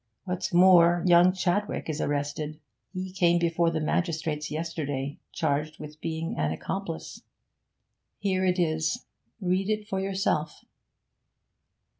What's more, young Chadwick is arrested; he came before the magistrates yesterday, charged with being an accomplice. Here it is; read it for yourself.'